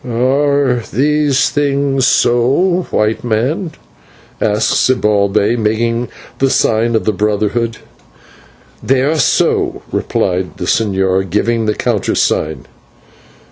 "Are these things so, White Man?" asked Zibalbay, making the sign of the brotherhood. "They are so," replied the señor, giving the countersign.